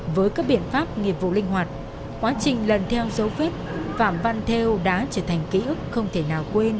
với các biện pháp nghiệp vụ linh hoạt quá trình lần theo dấu vết phạm văn theo đã trở thành ký ức không thể nào quên